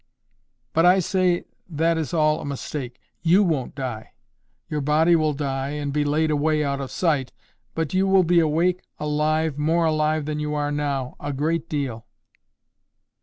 "But I say that is all a mistake. YOU won't die. Your body will die, and be laid away out of sight; but you will be awake, alive, more alive than you are now, a great deal."